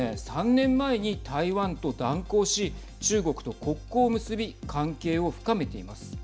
３年前に台湾と断交し中国と国交を結び関係を深めています。